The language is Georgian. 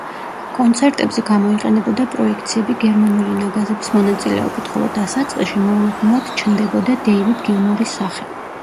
კონცერტებზე გამოიყენებოდა პროექციები გერმანული ნაგაზების მონაწილეობით, ხოლო დასაწყისში მოულოდნელად ჩნდებოდა დეივიდ გილმორის სახე.